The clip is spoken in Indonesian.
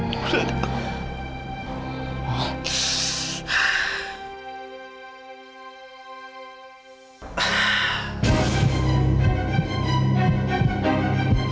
berhenti menyimak stadium